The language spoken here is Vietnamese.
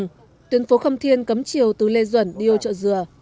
cụ thể các tuyến phố công thiên cấm chiều từ lê duẩn đi ô chợ dừa